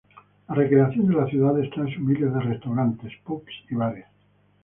La recreación de la ciudad está en sus miles de restaurantes, pubs y bares.